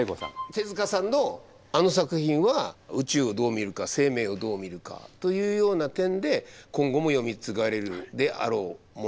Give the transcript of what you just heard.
手さんのあの作品は宇宙をどう見るか生命をどう見るかというような点で今後も読み継がれるであろうものであろうと。